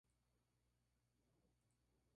Sus padres son Benito Reyes y Flor Sequera de Reyes.